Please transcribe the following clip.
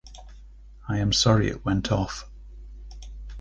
I am sorry it went off.